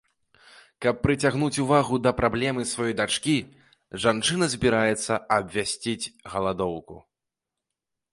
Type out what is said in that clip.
Каб прыцягнуць увагу да праблемы сваёй дачкі, жанчына збіраецца абвясціць галадоўку.